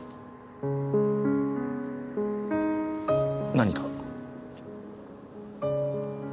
何か？